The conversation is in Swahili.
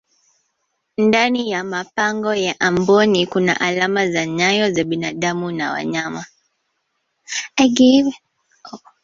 ndani ya mapango ya amboni Kuna alama za nyayo za binadamu na wanyama